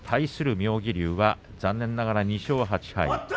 妙義龍は残念ながら２勝８敗。